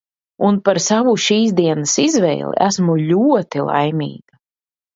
Un par savu šīs dienas izvēli esmu ļoti laimīga!